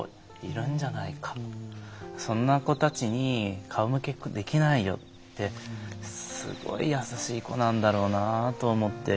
そんな子たちに顔向けできないよってすごい優しい子なんだろうなと思って聞いてました。